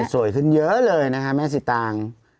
สวยขึ้นเยอะเลยนะคะแม่สิตาง